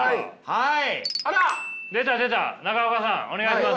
はい？